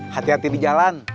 hati hati di jalan